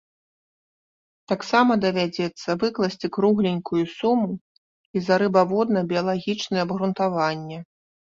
Таксама давядзецца выкласці кругленькую суму і за рыбаводна-біялагічнае абгрунтаванне.